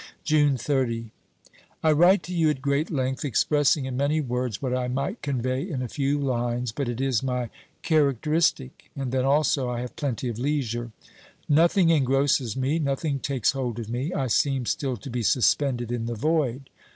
Ititie 30. I write to you at great length, expressing in many words what I might convey in a few lines, but it is my charac 392 OBERMANN teristic, and then also I have plenty of leisure. Nothing engrosses me, nothing takes hold of me ; I seem still to be suspended in the void.